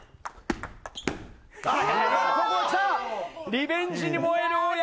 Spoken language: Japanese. リベンジに燃える大矢。